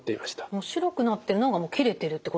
この白くなってるのがもう切れてるってことなんですか？